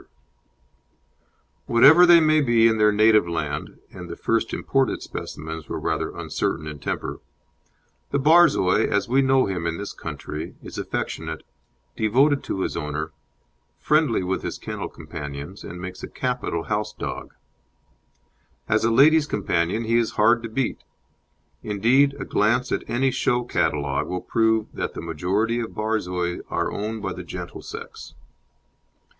STRAWBERRY KING] Whatever they may be in their native land and the first imported specimens were perhaps rather uncertain in temper the Borzoi, as we know him in this country, is affectionate, devoted to his owner, friendly with his kennel companions and makes a capital house dog. As a lady's companion he is hard to beat; indeed, a glance at any show catalogue will prove that the majority of Borzois are owned by the gentle sex.